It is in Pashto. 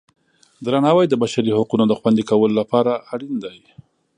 درناوی د بشري حقونو د خوندي کولو لپاره اړین دی.